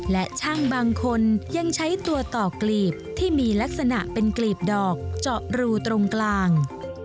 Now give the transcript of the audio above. และช่างบางคนยังใช้ตัวต่อกลีบที่มีลักษณะเป็นกลีบดอกเจาะรูตรงกลาง